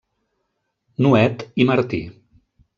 Nuet i Martí.